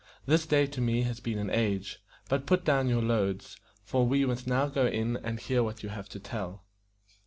This day to me has been an age; but put down your loads, for we must now go in and hear what you have to tell."